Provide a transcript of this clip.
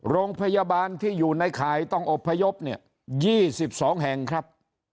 โรงพยาบาลที่อยู่ในข่ายต้องอบพยพเนี่ย๒๒แห่งครับ